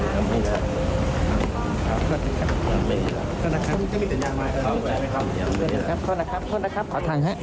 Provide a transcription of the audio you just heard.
ขอบคุณค่ะ